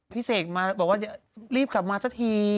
พี่เสกบอกว่ารีบกลับมาซะที